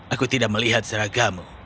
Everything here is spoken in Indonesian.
aku tidak melihat seragamu